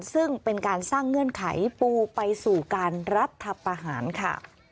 ซึ่งเป็นการสร้างเงื่อนไขปูไปสู่การรัฐประหารค่ะ